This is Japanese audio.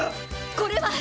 これは！